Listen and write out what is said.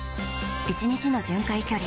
１日の巡回距離